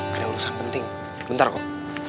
ada urusan penting bentar kok